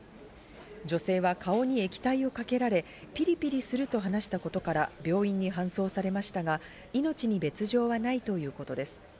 女性は顔に液体をかけられピリピリすると話したことから、病院に搬送されましたが命に別条はないということです。